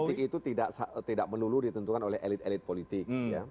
politik itu tidak melulu ditentukan oleh elit elit politik